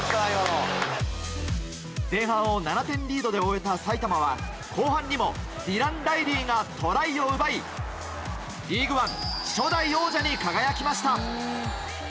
前半を７点リードで終えた埼玉は後半にもディラン・ライリーがトライを奪いリーグワン初代王者に輝きました。